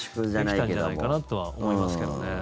できたんじゃないかとは思いますけどね。